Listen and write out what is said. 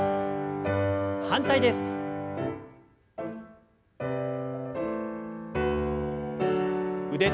反対です。